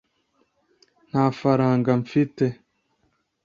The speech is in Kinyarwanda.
nta faranga mfite